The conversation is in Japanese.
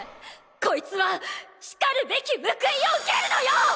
こいつはしかるべき報いを受けるのよ！